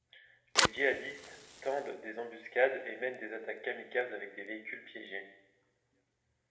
Les djihadistes tendent des embuscades et mènent des attaques kamikaze avec des véhicules piégés.